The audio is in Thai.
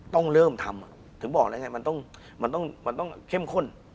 ต้องเริ่มทำถึงบอกแล้วไงมันต้องเข้มข้น